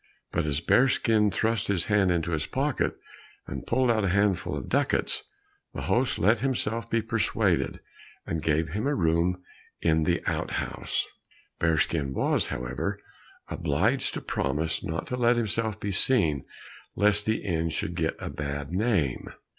But as Bearskin thrust his hand into his pocket and pulled out a handful of ducats, the host let himself be persuaded and gave him a room in an outhouse. Bearskin was, however, obliged to promise not to let himself be seen, lest the inn should get a bad name.